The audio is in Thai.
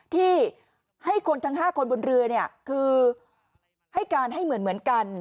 ที่ให้คนทั้ง๕คนบนเรือเนี่ยคือให้การให้เหมือนกัน